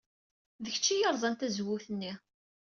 D kečč ay yerẓan tazewwut-nni.